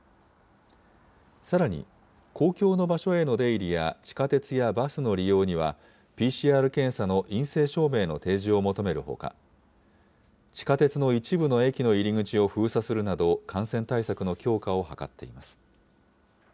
さらに、公共の場所への出入りや地下鉄やバスの利用には、ＰＣＲ検査の陰性証明の提示を求めるほか、地下鉄の一部の駅の入り口を封鎖するなど、感染対策の強化を図っています。